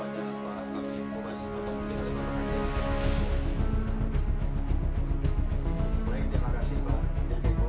kita umuskan secara bersama